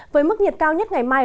với mức nhiệt cao nhất ngày mai